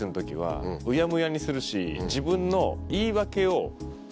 自分の。